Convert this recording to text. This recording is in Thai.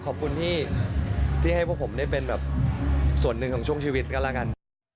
ขอบคุณที่ให้พวกผมได้เป็นแบบส่วนหนึ่งของช่วงชีวิตก็แล้วกัน